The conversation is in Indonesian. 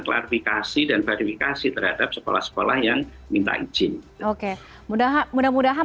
klarifikasi dan verifikasi terhadap sekolah sekolah yang minta izin oke mudah mudahan